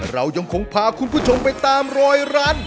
เรายังคงพาคุณผู้ชมไปตามรอยร้าน